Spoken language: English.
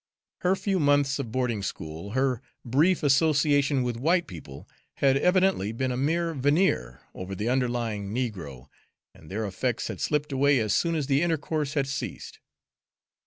Her few months of boarding school, her brief association with white people, had evidently been a mere veneer over the underlying negro, and their effects had slipped away as soon as the intercourse had ceased.